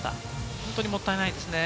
本当にもったいないですね。